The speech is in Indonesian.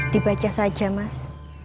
dibaca saja mas